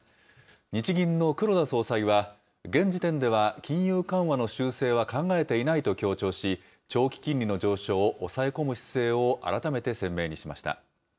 日銀の黒田総裁は、現時点では金融緩和の修正は考えていないと強調し、長期金利の上昇を抑え込む姿勢を改めて鮮明にしました。